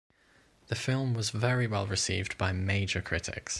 The film was very well received by major critics.